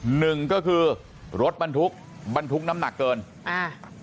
หนึ่งก็คือรถบรรทุกบรรทุกน้ำหนักเกินอ่า